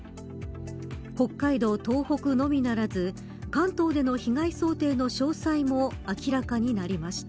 北海道、東北のみならず関東での被害想定の詳細も明らかになりました。